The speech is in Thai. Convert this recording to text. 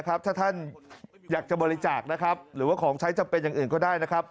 ถ้าท่านอยากจะบริจาคหรือว่าของใช้จำเป็นอย่างอื่นก็ได้